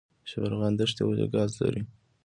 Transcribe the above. شبرغان دښتې ولې ګاز لري؟